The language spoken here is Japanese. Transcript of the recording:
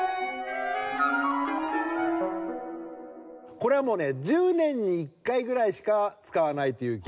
これはもうね１０年に１回ぐらいしか使わないという激